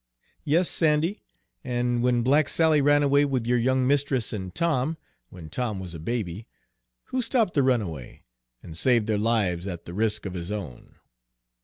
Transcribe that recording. "Yes, Sandy, and when black Sally ran away with your young mistress and Tom, when Tom was a baby, who stopped the runaway, and saved their lives at the risk of his own?"